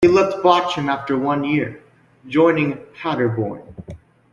He left Bochum after one year, joining Paderborn.